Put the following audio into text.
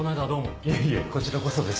いえいえこちらこそです。